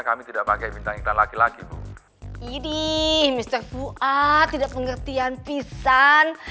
kami tidak pakai bintang kita laki laki ijii mister fua tidak mengerti yang pisan